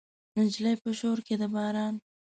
نجلۍ په شور کې د باران